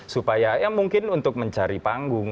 supaya ya mungkin untuk mencari panggung